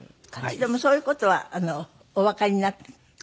でもそういう事はおわかりになっている？